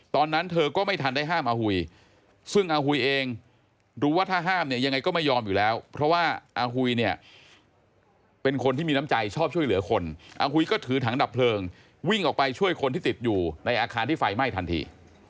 ตอนนั้นเธอก็ไม่ทันได้ห้ามอาหุยซึ่งอาหุยเองรู้ว่าถ้าห้ามเนี่ยยังไงก็ไม่ยอมอยู่แล้วเพราะว่าอาหุยเนี่ยเป็นคนที่มีน้ำใจชอบช่วยเหลือคนอาหุยก็ถือถังดับเพลิงวิ่งออกไปช่วยคนที่ติดอยู่ในอาคารที่ไฟไหม้ทันที